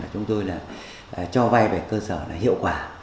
chúng tôi cho vai về cơ sở hiệu quả